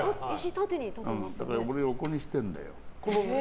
だから俺、横にしてるんだよ。